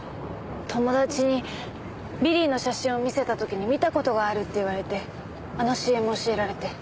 友達にビリーの写真を見せた時に見た事があるって言われてあのＣＭを教えられて。